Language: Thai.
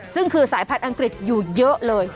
ซึ่งคือสายพันธุ์อังกฤษอยู่เยอะเลย